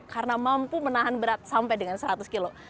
karena mampu menahan berat sampai dengan seratus kilo